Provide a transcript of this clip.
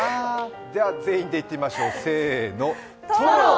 全員で言ってみましょう、せーの。